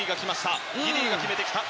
ギディーが決めてきた。